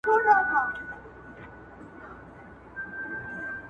او ځان تودولو تجربه یې خوښه شوه